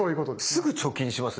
すぐ貯金しますよね。